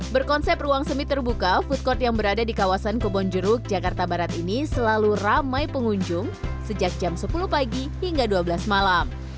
berkonsep ruang semi terbuka food court yang berada di kawasan kebonjeruk jakarta barat ini selalu ramai pengunjung sejak jam sepuluh pagi hingga dua belas malam